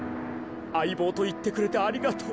あいぼうといってくれてありがとう。